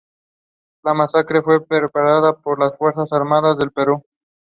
This location is in what is now called Pacific Palisades.